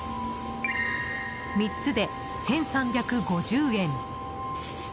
３つで１３５０円。